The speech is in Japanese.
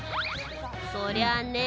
そりゃあね